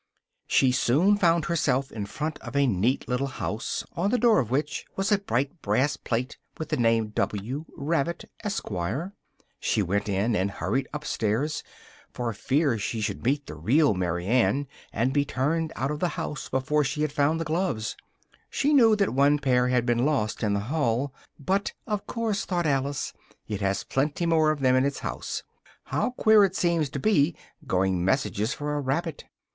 She soon found herself in front of a neat little house, on the door of which was a bright brass plate with the name W. RABBIT, ESQ. She went in, and hurried upstairs, for fear she should meet the real Mary Ann and be turned out of the house before she had found the gloves: she knew that one pair had been lost in the hall, "but of course," thought Alice, "it has plenty more of them in its house. How queer it seems to be going messages for a rabbit!